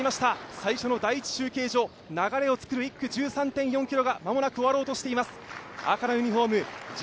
最初の第１中継所、流れを作る１区１３．４ｋｍが間もなく終わろうとしています。